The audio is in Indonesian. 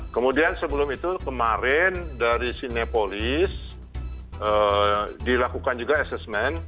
kemudian sebelum itu kemarin dari sinepolis dilakukan juga assessment